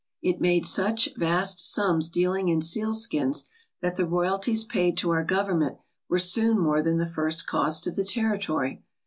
It made such vast sums dealing in sealskins that the royalties paid to our Government were soon more than the first cost of the territory.